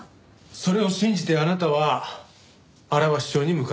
それを信じてあなたは荒鷲町に向かった。